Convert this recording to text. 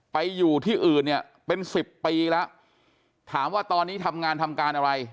ไปอยู่ที่อื่นเนี่ยเป็นสิบปีแล้วถามว่าตอนนี้ทำงานทำการอะไร